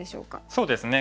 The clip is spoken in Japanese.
そうですね。